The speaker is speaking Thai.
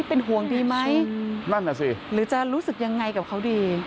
เป็นห่วงดีไหมนั่นน่ะสิหรือจะรู้สึกยังไงกับเขาดี